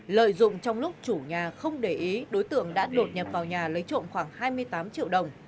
lợi dụng trong lúc chủ nhà không để ý đối tượng đã đột nhập vào nhà lấy trộm khoảng hai mươi tám triệu đồng